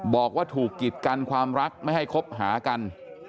บอกว่าถูกกิดกันความรักไม่ให้คบหากัน